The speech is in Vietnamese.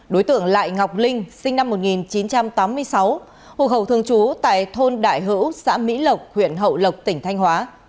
đối tượng lại ngọc linh sinh năm một nghìn chín trăm tám mươi sáu hộ khẩu thương chú tại thôn đại hữu xã mỹ lộc huyện hậu lộc tỉnh thanh hóa